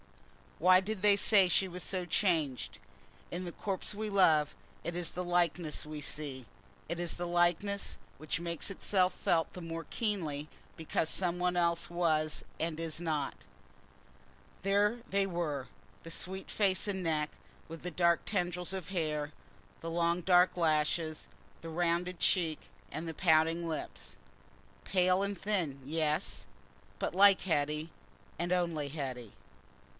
Why did they say she was so changed? In the corpse we love, it is the likeness we see—it is the likeness, which makes itself felt the more keenly because something else was and is not. There they were—the sweet face and neck, with the dark tendrils of hair, the long dark lashes, the rounded cheek and the pouting lips—pale and thin, yes, but like Hetty, and only Hetty.